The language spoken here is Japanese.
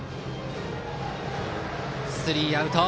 スリーアウト。